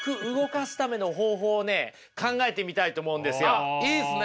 あっいいですね。